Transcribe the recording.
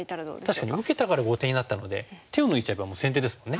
確かに受けたから後手になったので手を抜いちゃえば先手ですもんね。